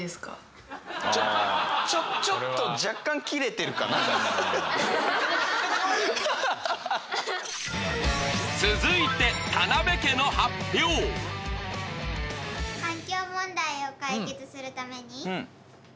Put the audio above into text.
ちょっと環境問題を解決するために。